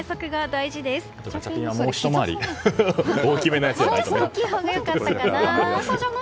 もう一回り大きいほうが良かったかな。